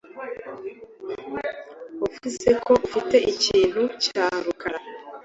Wavuze ko ufite ikintu cya Rukara .